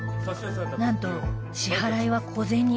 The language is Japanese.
なんと支払いは小銭